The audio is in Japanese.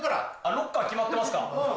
ロッカー決まってますか？